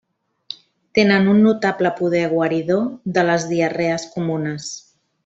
Tenen un notable poder guaridor de les diarrees comunes.